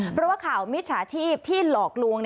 เพราะว่าข่าวมิจฉาชีพที่หลอกลวง